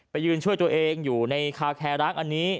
ยืนช่วยตัวเองอยู่ในคาแคร้างอันนี้